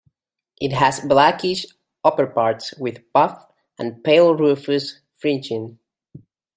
It has blackish upperparts with buff and pale rufous fringing.